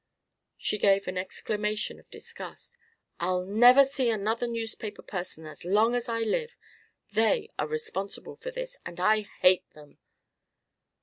She gave an exclamation of disgust. "I'll never see another newspaper person as long as I live. They are responsible for this, and I hate them."